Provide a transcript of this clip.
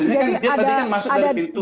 jadi dia tadi kan masuk dari pintu